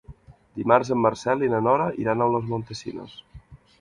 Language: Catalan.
Dimarts en Marcel i na Nora iran a Los Montesinos.